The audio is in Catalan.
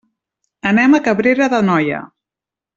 Anem a Cabrera d'Anoia.